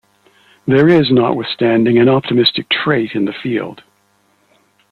There is notwithstanding an optimistic trait in the field.